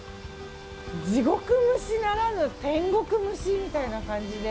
地獄蒸しならぬ天国蒸しみたいな感じで。